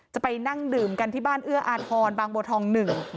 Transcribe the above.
จะไปนั่งดื่มกันที่บ้านเอื้ออาทรบางบัวทองหนึ่ง